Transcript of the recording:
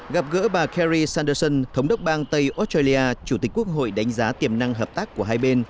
gặp gỡ bà kerry sanderson thống đốc bang tây australia chủ tịch quốc hội đánh giá tiềm năng hợp tác của hai bên